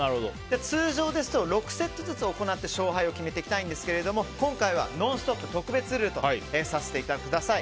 通常ですと６セットずつ行って勝敗を決めていくんですが今回は「ノンストップ！」の特別ルールとさせてください。